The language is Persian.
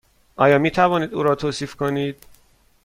آیا می توانید او را توصیف کنید؟